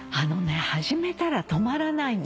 始めたら止まらないんです。